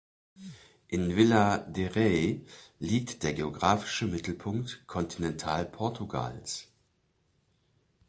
In Vila de Rei liegt der geografische Mittelpunkt Kontinental-Portugals.